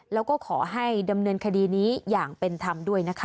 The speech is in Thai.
แล้วก็ขอให้ดำเนินคดีนี้อย่างเป็นธรรมด้วยนะคะ